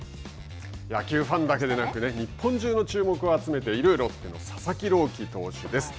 野球ファンだけでなく日本中の注目を集めているロッテの佐々木朗希投手です。